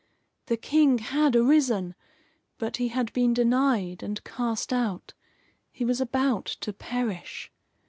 The King had arisen, but he had been denied and cast out. He was about to perish.